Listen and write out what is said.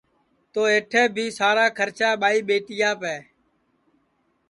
تو اَیٹھے بھی سارا کھرچا ٻائی ٻیٹیاپ ہے